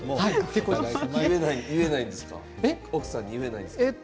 奥さんに言えないんですか？